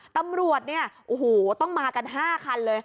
ตำรวจเนี่ยโอ้โหต้องมากัน๕คันเลย